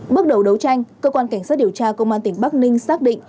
bước đầu đấu tranh cơ quan cảnh sát điều tra công an tỉnh bắc ninh xác định